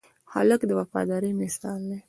هلک د وفادارۍ مثال دی.